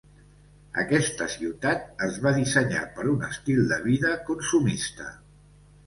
Aquesta ciutat es va dissenyar per un estil de vida consumista.